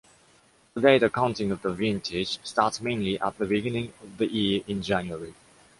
Today, the counting of the vintage starts mainly at the beginning of the year in January.